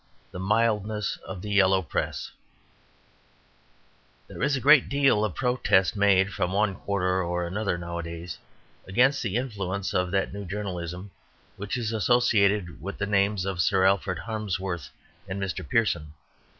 The Mildness of the Yellow Press There is a great deal of protest made from one quarter or another nowadays against the influence of that new journalism which is associated with the names of Sir Alfred Harmsworth and Mr. Pearson.